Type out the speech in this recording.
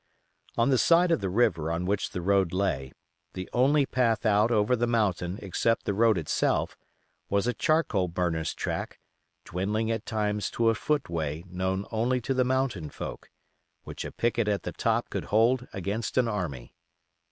On the side of the river on which the road lay, the only path out over the mountain except the road itself was a charcoal burner's track, dwindling at times to a footway known only to the mountain folk, which a picket at the top could hold against an army.